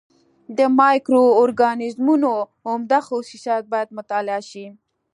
د مایکرو اورګانیزمونو عمده خصوصیات باید مطالعه شي.